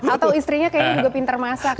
atau istrinya kayaknya juga pintar masak